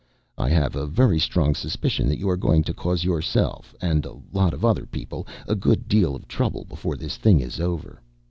"I have a very strong suspicion that you are going to cause yourself and a lot of other people a good deal of trouble before this thing is over.